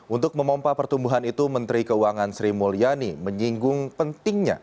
untuk memompa pertumbuhan itu menteri keuangan sri mulyani menyinggung pentingnya